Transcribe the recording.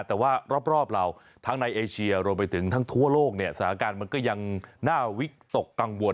แต่ว่ารอบเราทั้งในเอเชียรวมไปถึงทั้งทั่วโลกเนี่ยสถานการณ์มันก็ยังน่าวิตกกังวล